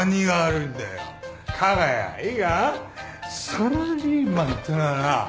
サラリーマンってのはな